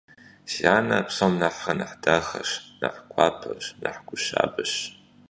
Си анэр псом нэхърэ нэхъ дахэщ, нэхъ гуапэщ, нэхъ гу щабэщ.